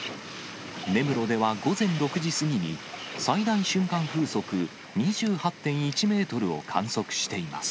根室では午前６時過ぎに、最大瞬間風速２８．１メートルを観測しています。